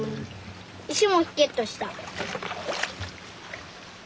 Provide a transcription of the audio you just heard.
石もゲットした。